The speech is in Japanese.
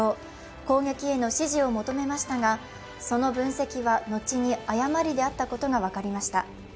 攻撃への支持を求めましたがその分析は後に誤りであったことが分かりました。